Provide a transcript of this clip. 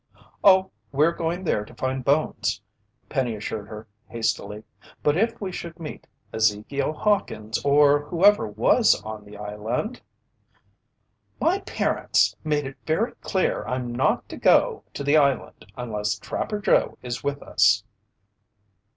"Oh, we're going there to find Bones," Penny assured her hastily. "But if we should meet Ezekiel Hawkins or whoever was on the island " "My parents made it very clear I'm not to go to the island unless Trapper Joe is with us."